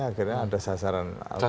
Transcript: akhirnya ada sasaran alternatif